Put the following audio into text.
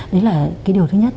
điều thứ nhất